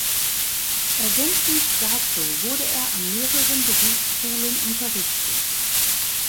Ergänzend dazu wurde er an mehreren Berufsschulen unterrichtet.